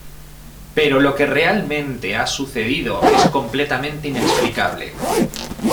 Pero lo que realmente ha sucedido es completamente inexplicable.